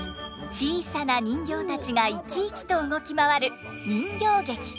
小さな人形たちが生き生きと動き回る人形劇。